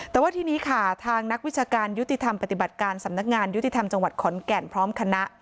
แต่ว่าทีนี้ค่ะทางนักวิชาการยุติธรรมปฏิบัติการสำนักงานยุติธรรมจังหวัดขอนแก่นพร้อมคณะ